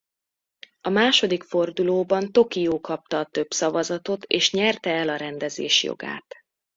A második fordulóban Tokió kapta a több szavazatot és nyerte el a rendezés jogát.